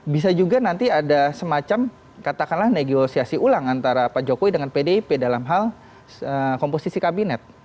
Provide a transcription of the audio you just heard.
bisa juga nanti ada semacam katakanlah negosiasi ulang antara pak jokowi dengan pdip dalam hal komposisi kabinet